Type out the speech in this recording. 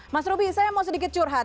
mas ruby saya mau sedikit curhat